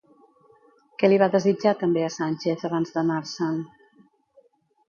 Què li va desitjar també a Sánchez abans d'anar-se'n?